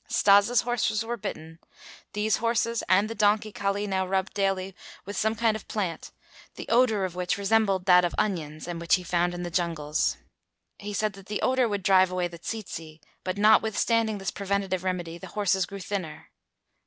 Stas' horses were bitten; these horses and the donkey Kali now rubbed daily with some kind of plant, the odor of which resembled that of onions and which he found in the jungles. He said that the odor would drive away the tsetse, but notwithstanding this preventative remedy the horses grew thinner.